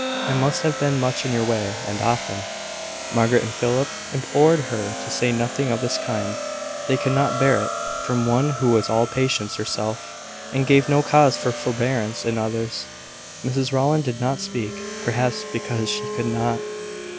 I must have been much in your way, and often " Margaret and Philip implored her to say nothing of this kind; they could not bear it from one who was all patience herself, and gave no cause for forbearance in others. Mrs Rowland did not speak perhaps because she could not.